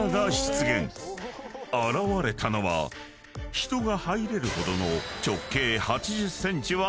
［現れたのは人が入れるほどの直径８０ｃｍはある穴］